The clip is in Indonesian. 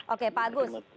oke pak agus